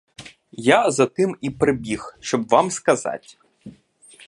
Я затим і прибіг, щоб вам сказать.